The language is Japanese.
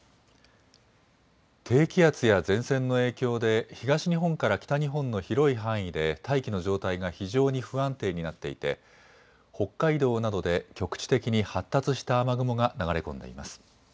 低気圧や前線の影響で東日本から北日本の広い範囲で大気の状態が非常に不安定になっていて北海道などで局地的に発達した雨雲が流れ込んでいます。